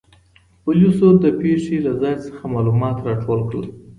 پولیسو د پېښې له ځای څخه معلومات راټول کړل.